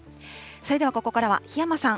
それではここからは檜山さん。